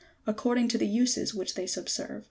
according to the uses which they subserve.